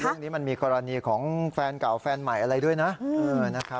เรื่องนี้มันมีกรณีของแฟนเก่าแฟนใหม่อะไรด้วยนะ